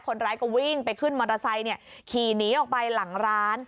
คนร้ายก็วิ่งไปขึ้นมอเตอร์ไซค์ขี่หนีออกไปหลังร้าน